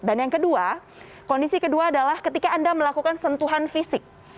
dan yang kedua kondisi kedua adalah ketika anda melakukan sentuhan fisik